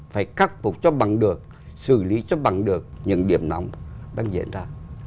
phải cắt phục cho bằng được xử lý cho bằng được những điểm nóng đang diễn ra